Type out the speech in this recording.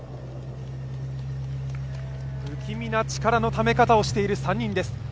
不気味な力のため方をしている３人です。